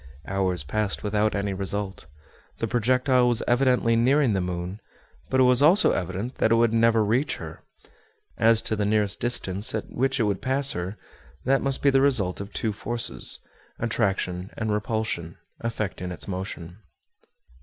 Hours passed without any result. The projectile was evidently nearing the moon, but it was also evident that it would never reach her. As to the nearest distance at which it would pass her, that must be the result of two forces, attraction and repulsion, affecting its motion.